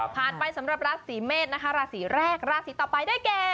ผ่านไปสำหรับราศสีเมศนะคะราศสีแรกราศสีต่อไปด้วยแก